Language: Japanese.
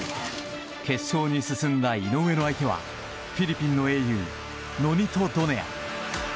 決勝に進んだ井上の相手はフィリピンの英雄ノニト・ドネア。